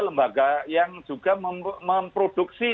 lembaga yang juga memproduksi